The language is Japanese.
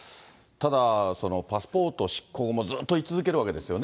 ただ、パスポート執行もずっとい続けるわけですよね。